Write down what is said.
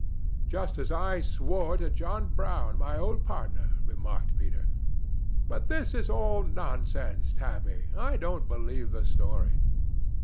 "Just as I swore to John Brown, my old partner," remarked Peter. "But this is all nonsense, Tabby; I don't believe the story."